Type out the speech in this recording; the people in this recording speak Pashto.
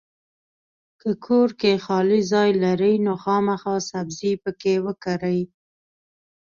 کۀ کور کې خالي ځای لرئ نو خامخا سبزي پکې وکرئ!